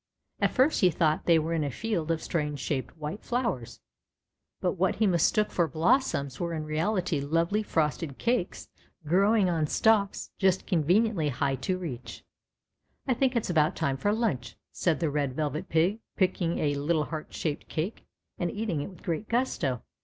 At first he thought they were in a field of strange shaped white flowers, but what he mistook for blossoms were in reality lovely frosted cakes growing on stalks just conveniently high to reach. " I think it's about time for lunch," said the Red Velvet Pig, picking a little heart shaped cake and eating it with great gusto.